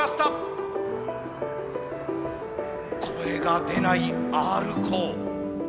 声が出ないＲコー。